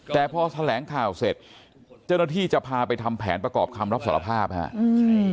แต่พอแถลงข่าวเสร็จเจ้าหน้าที่จะพาไปทำแผนประกอบคำรับสารภาพฮะอืม